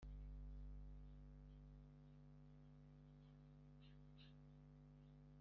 ku isoko imigabane yatanzwe kandi iyo raporo nayo ize